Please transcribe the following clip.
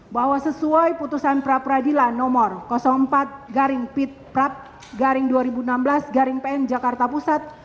bahwa sesuai putusan pra peradilan nomor empat garing pit prap garing dua ribu enam belas garing pn jakarta pusat